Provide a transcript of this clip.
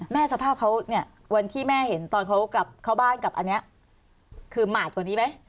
สภาพเขาเนี่ยวันที่แม่เห็นตอนเขากลับเข้าบ้านกับอันนี้คือหมาดกว่านี้ไหม